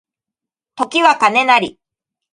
時は金なり